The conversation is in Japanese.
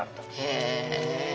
へえ。